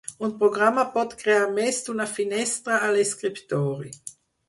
Un programa pot crear més d'una finestra a l'escriptori.